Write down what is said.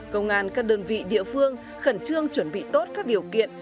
công an các đơn vị địa phương khẩn trương chuẩn bị tốt các điều kiện